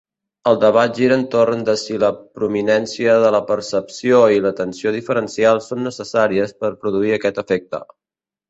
El debat gira entorn de si la prominència de la percepció i l'atenció diferencial són necessàries per produir aquest efecte.